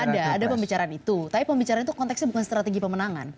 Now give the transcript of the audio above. ada ada pembicaraan itu tapi pembicaraan itu konteksnya bukan strategi pemenangan